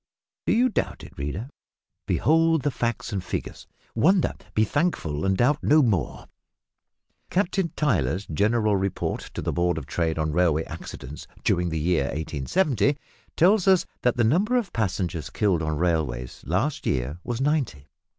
Do you doubt it, reader? Behold the facts and figures wonder, be thankful and doubt no more! A "Blue Book" (Captain Tyler's General Report to the Board of Trade on Railway Accidents during the year 1870) tells us that the number of passengers killed on railways last year was ninety.